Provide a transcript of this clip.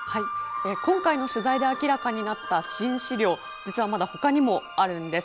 今回の取材で明らかになった新史料実はまだほかにもあるんです。